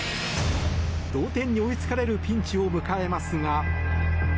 同点に追いつかれるピンチを迎えますが。